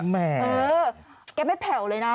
แม่แกไม่แผ่วเลยนะ